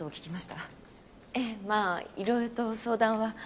ええまあいろいろと相談は。